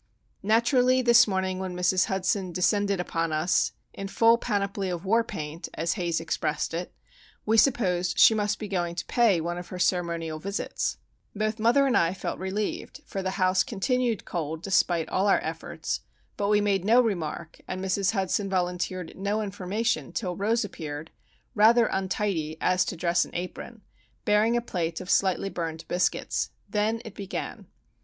Naturally this morning when Mrs. Hudson descended upon us "in full panoply of war paint," as Haze expressed it, we supposed she must be going to pay one of her ceremonial visits. Both mother and I felt relieved, for the house continued cold despite all our efforts; but we made no remark, and Mrs. Hudson volunteered no information till Rose appeared, rather untidy as to dress and apron, bearing a plate of slightly burned biscuits. Then it began.